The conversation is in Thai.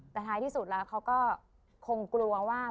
แต่ท้ายที่สุดแล้วเขาก็คงกลัวว่า